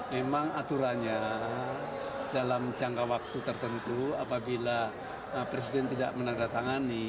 memang aturannya dalam jangka waktu tertentu apabila presiden tidak menandatangani